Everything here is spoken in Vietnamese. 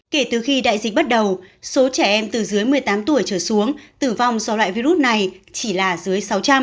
kể từ khi đại dịch bắt đầu số trẻ em từ dưới một mươi tám tuổi trở xuống tử vong do loại virus này chỉ là dưới sáu trăm linh